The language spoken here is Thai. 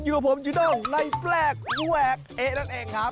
อยู่กับผมจุด้งในแปลกแวกเอ๊ะนั่นเองครับ